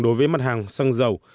đối với mặt hàng xăng dầu